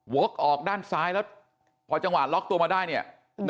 ออกด้านซ้ายแล้วพอจังหวะล็อกตัวมาได้เนี่ย